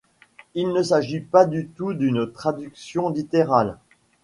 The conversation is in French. Il ne s'agit pas du tout d'une traduction littérale.